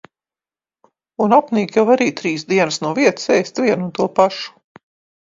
Un apnīk jau arī trīs dienas no vietas ēst vienu un to pašu.